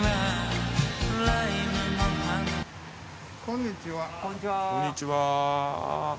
こんにちは。